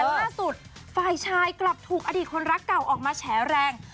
ล่าสุดฝ่ายชายกลับถูกอดีตคนรักเก่าออกมาแฉแรง